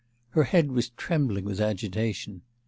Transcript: Her head was trembling with agitation.